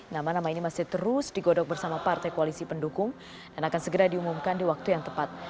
nama nama ini masih terus digodok bersama partai koalisi pendukung dan akan segera diumumkan di waktu yang tepat